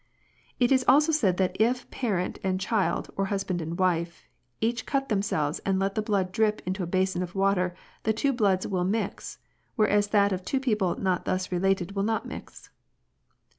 " It is also said that if parent and child, or husband and wife, each cut themselves and let the blood drip into a basin of water the two bloods will mix, whereas that of two people not thus related will not mix.